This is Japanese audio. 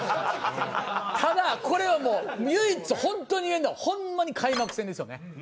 ただこれはもう唯一本当に言えるのはホンマに開幕戦ですよね。